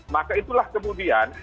maka itulah kemudian